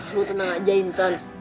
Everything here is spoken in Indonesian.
lu tenang aja intan